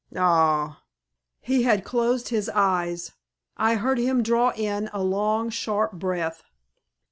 "Ah!" He had closed his eyes. I heard him draw in a long, sharp breath.